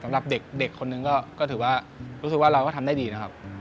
สำหรับเด็กคนนึงก็ถือว่ารู้สึกว่าเราก็ทำได้ดีนะครับ